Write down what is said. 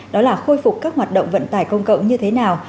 đó là khôi phục các hoạt động vận tải công cộng như thế nào